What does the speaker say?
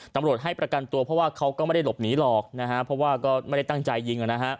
ตำรวจให้ประกันตัวเพราะว่าเขาก็ไม่ได้หลบหนีหรอกนะฮะเพราะว่าก็ไม่ได้ตั้งใจยิง